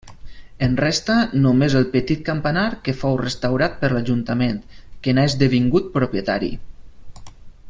En resta només el petit campanar que fou restaurat per l’Ajuntament, que n'ha esdevingut propietari.